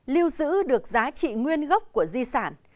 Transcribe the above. lưu giữ được giá trị nguyên gốc của di sản